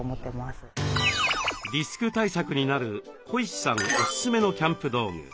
リスク対策になるこいしさんおすすめのキャンプ道具。